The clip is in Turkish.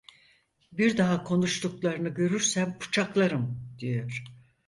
Bir daha konuştuklarını görürsem bıçaklarım, diyor!